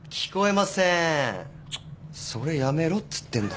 それやめろっつってんだ。